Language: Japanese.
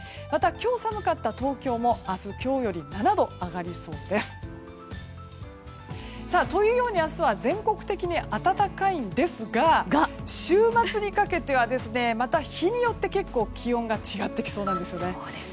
また、今日寒かった東京も明日、今日より７度上がりそうです。というように明日は全国的に暖かいんですが週末にかけては、また日によって結構、気温が違ってきそうです。